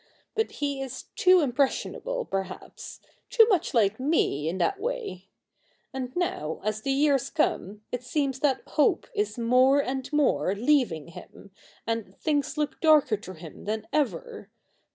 But he is too impressionable, perhaps — too much like me, in that w^ay. And now, as the years come, it seems that hope is more and more leaving him, and things look darker to him than ever.